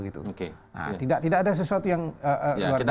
tidak ada sesuatu yang luar biasa